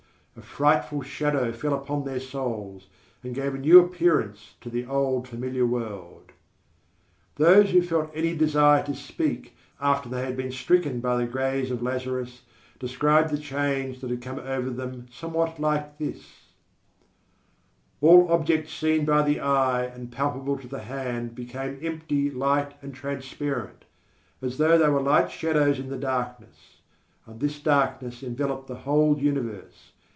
A frightful shadow fell upon their souls, and gave a new appearance to the old familiar world. Those who felt any desire to speak, after they had been stricken by the gaze of Lazarus, described the change that had come over them somewhat like this: _All objects seen by the eye and palpable to the hand became empty, light and transparent, as though they were light shadows in the darkness; and this darkness enveloped the whole universe.